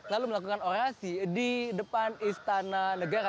lalu melakukan orasi di depan istana negara